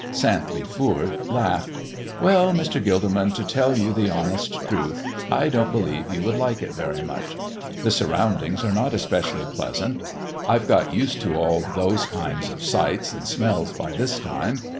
Santley Foord laughed. "Well, Mr. Gilderman, to tell you the honest truth, I don't believe you would like it very much. The surroundings are not especially pleasant. I've got used to all those kinds of sights and smells by this time.